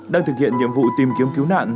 đang thực hiện nhiệm vụ tìm kiếm cứu nạn